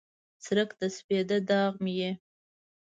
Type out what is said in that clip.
څرک د سپیده داغ مې یې